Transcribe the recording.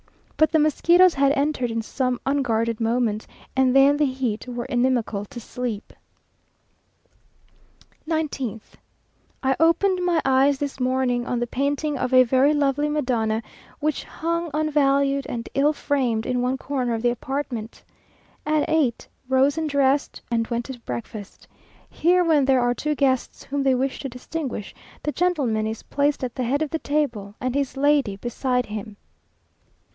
But the mosquitoes had entered in some unguarded moment, and they and the heat were inimical to sleep. 19th. I opened my eyes this morning on the painting of a very lovely Madonna, which hung unvalued and ill framed, in one corner of the apartment. At eight, rose and dressed, and went to breakfast. Here, when there are two guests whom they wish to distinguish, the gentleman is placed at the head of the table, and his lady beside him.